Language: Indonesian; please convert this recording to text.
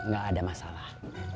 gak ada masalah